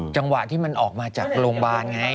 จังหวะที่มันออกมาจากโรงพยาบาลไง